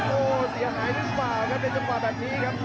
โอ้โหเสียหายหรือเปล่าครับในจังหวะแบบนี้ครับ